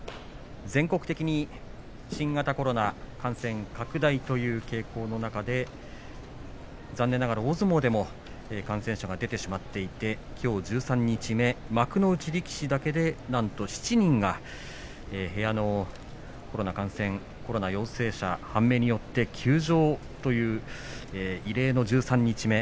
全国的に新型コロナ感染拡大という傾向の中で残念ながら大相撲でも感染者が出てしまっていてきょう十三日目、幕内力士だけでなんと７人が部屋のコロナ感染コロナ陽性者判明によって休場という異例の十三日目。